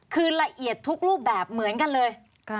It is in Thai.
คือละเอียดทุกรูปแบบเหมือนกันเลย